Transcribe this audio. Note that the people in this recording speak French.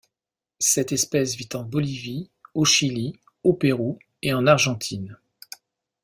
Cette espèce vit en Bolivie, au Chili, au Pérou et en Argentine.